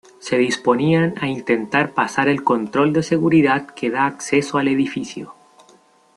Se disponían a intentar pasar el control de seguridad que da acceso al edificio.